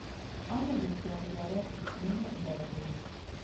عامې روغتیا وزارت روغتونونه اداره کوي